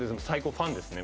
ファンですね。